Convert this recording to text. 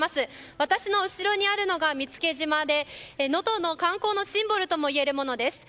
私の後ろにあるのが見附島で能登の観光のシンボルといえるものです。